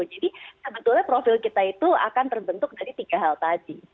jadi sebetulnya profil kita itu akan terbentuk dari tiga hal tadi